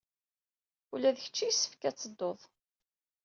Ula d kecc yessefk ad tedduḍ!